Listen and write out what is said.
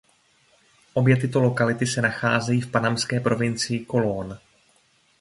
Obě tyto lokality se nacházejí v panamské provincii Colón.